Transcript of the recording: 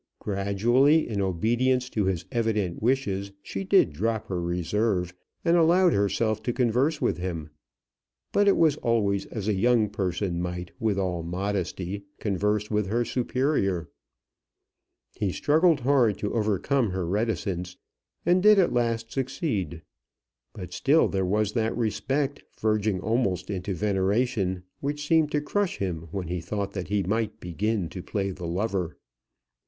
Gradually, in obedience to his evident wishes, she did drop her reserve, and allowed herself to converse with him; but it was always as a young person might with all modesty converse with her superior. He struggled hard to overcome her reticence, and did at last succeed. But still there was that respect, verging almost into veneration, which seemed to crush him when he thought that he might begin to play the lover.